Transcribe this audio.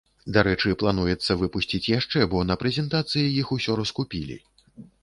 Дарэчы, плануецца выпусціць яшчэ, бо на прэзентацыі іх усё раскупілі.